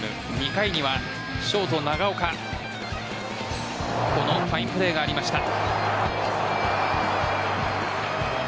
２回にはショート・長岡このファインプレーがありました。